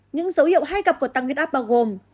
những dấu hiệu hay gặp của tăng huyết áp bao gồm